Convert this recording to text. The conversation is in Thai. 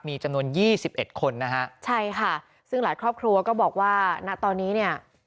มีจำนวนยี่สิบเอ็ดคนนะฮะใช่ค่ะซึ่งหลายครอบครัวก็บอกว่าณตอนนี้เนี่ย